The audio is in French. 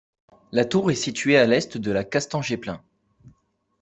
La tour est situé à l'ouest de la Kastanjeplein.